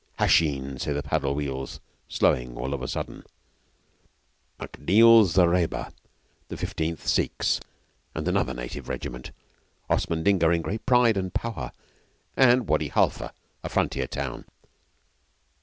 'Hashin,' say the paddle wheels, slowing all of a sudden 'MacNeill's Zareba the 15th Sikhs and another native regiment Osman Digna in great pride and power, and Wady Halfa a frontier town.